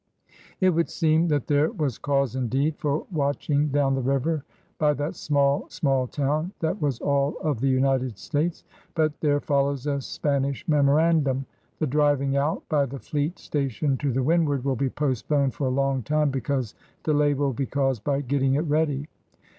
It would seem that there was cause indeed for watching down the river by that small, small town that was all of the United States! But there follows a Spanish memorandum. "The driving out ... by the fleet stationed to the windward will be postponed for a long time because delay will be caused by getting it ready."